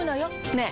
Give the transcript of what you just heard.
ねえ。